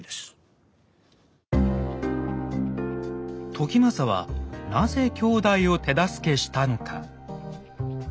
時政はなぜ兄弟を手助けしたのか。